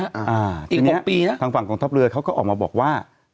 อีก๖ปีนะทางฝั่งกองทัพเรือเขาก็ออกมาบอกว่า